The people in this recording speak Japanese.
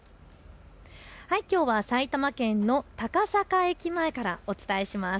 きょうは埼玉県の高坂駅前からお伝えします。